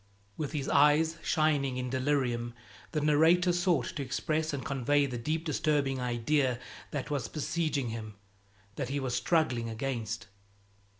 With his eyes shining in delirium, the narrator sought to express and convey the deep disturbing idea that was besieging him, that he was struggling against.